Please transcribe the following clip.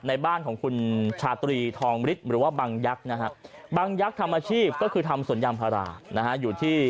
ในบ้านของคุณชาตุรีทองริตหรือว่าบางยักษ์นะครับ